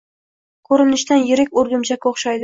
Ko`rinishidan yirik o`rgimchakka o`xshaydi